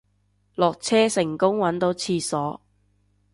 落車成功搵到廁所